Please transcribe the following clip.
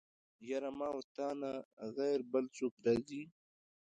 يره ما او تانه غير بل څوک راځي.